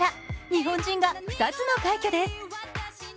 日本人が２つの快挙です。